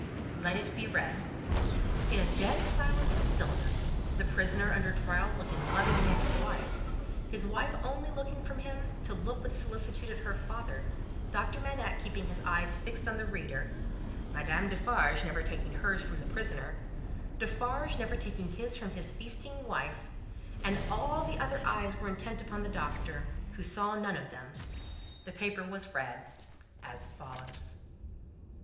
"Let it be read." In a dead silence and stillness the prisoner under trial looking lovingly at his wife, his wife only looking from him to look with solicitude at her father, Doctor Manette keeping his eyes fixed on the reader, Madame Defarge never taking hers from the prisoner, Defarge never taking his from his feasting wife, and all the other eyes there intent upon the Doctor, who saw none of them the paper was read, as follows.